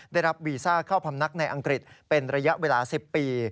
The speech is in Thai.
ได้รับวีซ่าเข้าพำนักในอังกฤษเป็นระยะเวลา๑๐ปี